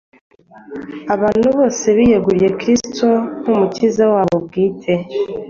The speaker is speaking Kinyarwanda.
Abantu bose biyeguriye Kristo nk’Umukiza wabo bwite,